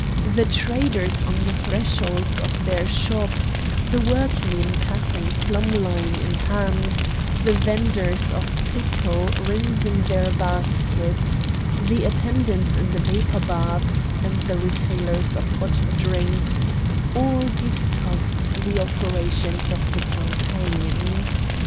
The traders on the threshold of their shops, the workmen passing plumb line in hand, the vendors of pickle rinsing their baskets, the attendants in the vapour baths and the retailers of hot drinks all discussed the operations of the campaign.